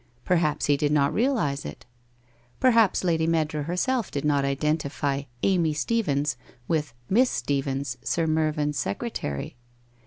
Perhaps he did not realize it? Perhaps Lady Meadrow herself did not identify Amy Stephens with Miss Steevens, Sir Mervyn's secretary?